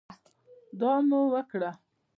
دعا مو وکړه.